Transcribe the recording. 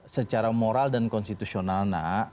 secara moral dan konstitusional nak